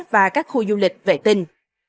và các khu du lịch vệ tinh